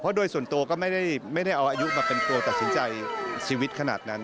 โดยส่วนตัวก็ไม่ได้เอาอายุมาเป็นตัวตัดสินใจชีวิตขนาดนั้น